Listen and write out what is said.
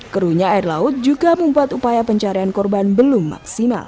keruhnya air laut juga membuat upaya pencarian korban belum maksimal